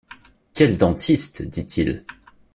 Quel dentiste! dit-il.